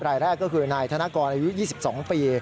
รายแรกก็คือนายธนกรอายุ๒๒ปี